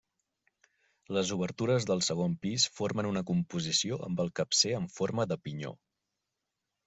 Les obertures del segon pis formen una composició amb el capcer en forma de pinyó.